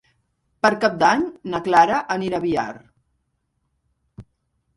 Per Cap d'Any na Clara anirà a Biar.